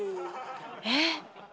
えっ。